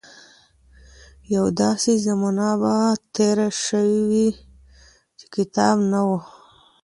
يوه داسې زمانه به تېره شوې وي چې کتاب نه و.